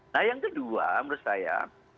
nah yang kedua menurut saya